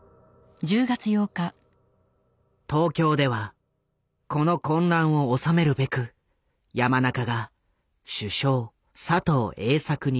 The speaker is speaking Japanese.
東京ではこの混乱を収めるべく山中が首相佐藤栄作に直訴していた。